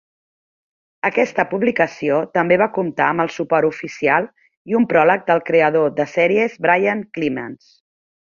Aquesta publicació també va comptar amb el suport oficial i un pròleg del creador de sèries Brian Clemens.